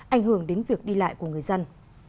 ảnh hưởng đến việc đi lại của người dân